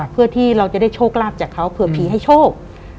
เพื่อที่เราจะได้โชคลาภจากเขาเผื่อผีให้โชค